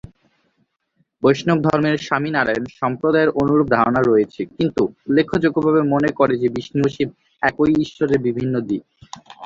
বৈষ্ণবধর্মের স্বামীনারায়ণ সম্প্রদায়ের অনুরূপ ধারণা রয়েছে, কিন্তু উল্লেখযোগ্যভাবে মনে করে যে বিষ্ণু ও শিব একই ঈশ্বরের বিভিন্ন দিক।